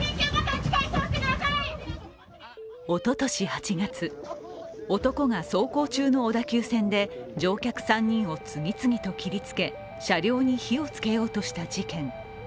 おととし８月、男が走行中の小田急線で乗客３人を次々と切りつけ、車両に火をつけようとした事件。